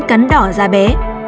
cắn đỏ da bé